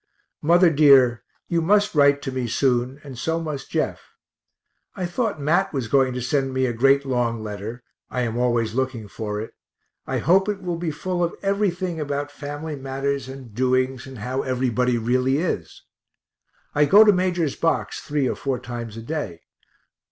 Mother dear, you must write to me soon, and so must Jeff. I thought Mat was going to send me a great long letter I am always looking for it; I hope it will be full of everything about family matters and doings, and how everybody really is. I go to Major's box three or four times a day.